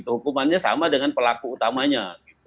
hukumannya sama dengan pelaku utamanya